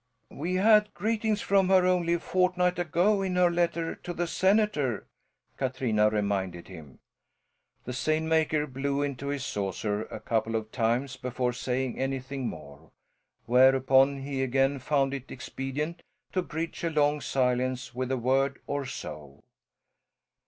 "We had greetings from her only a fortnight ago in her letter to the senator," Katrina reminded him. The seine maker blew into his saucer a couple of times before saying anything more. Whereupon he again found it expedient to bridge a long silence with a word or so.